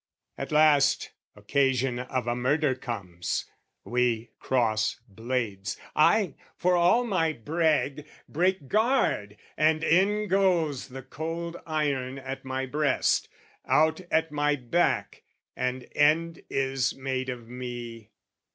At last, occasion of a murder comes: We cross blades, I, for all my brag, break guard, And in goes the cold iron at my breast, Out at my back, and end is made of me.